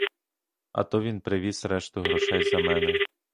А то він привіз решту грошей за мене.